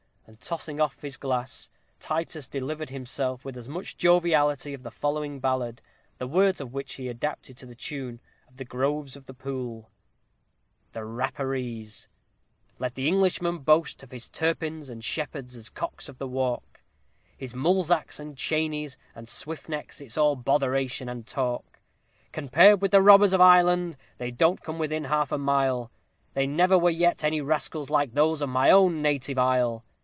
And tossing off his glass, Titus delivered himself with much joviality of the following ballad; the words of which he adapted to the tune of the Groves of the Pool: THE RAPPAREES Let the Englishman boast of his Turpins and Sheppards, as cocks of the walk, His Mulsacks, and Cheneys, and Swiftnecks it's all botheration and talk; Compared with the robbers of Ireland, they don't come within half a mile, There never were yet any rascals like those of my own native isle!